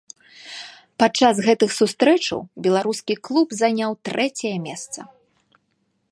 Падчас гэтых сустрэчаў беларускі клуб заняў трэцяе месца.